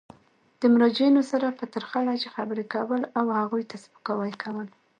د مراجعینو سره په ترخه لهجه خبري کول او هغوی ته سپکاوی کول.